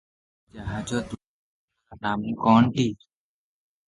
ସେ ଜାହାଜ ଦୁଇଖଣ୍ଡର ନାମ କଣଟି?